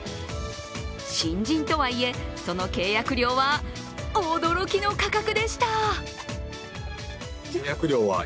新人とはいえ、その契約料は驚きの価格でした。